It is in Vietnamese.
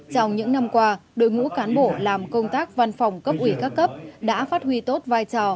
trong những năm qua đội ngũ cán bộ làm công tác văn phòng cấp ủy các cấp đã phát huy tốt vai trò